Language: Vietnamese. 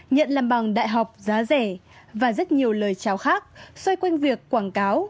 nhận làm bằng đại học giá rẻ và rất nhiều lời chào khác xoay quanh việc quảng cáo